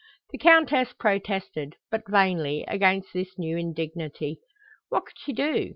The Countess protested, but vainly, against this new indignity. What could she do?